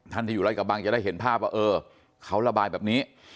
ที่อยู่ไล่กระบังจะได้เห็นภาพว่าเออเขาระบายแบบนี้